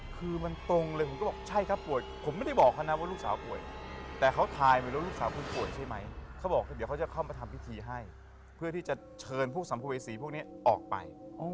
คือมันตรงเลยผมก็บอกใช่ครับป่วยผมไม่ได้บอกเขานะว่าลูกสาวป่วยแต่เขาทายไปแล้วลูกสาวคุณป่วยใช่ไหมเขาบอกเดี๋ยวเขาจะเข้ามาทำพิธีให้เพื่อที่จะเชิญพวกสัมภเวษีพวกนี้ออกไป